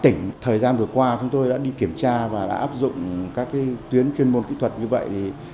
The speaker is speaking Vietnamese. tỉnh thời gian vừa qua chúng tôi đã đi kiểm tra và đã áp dụng các tuyến chuyên môn kỹ thuật như vậy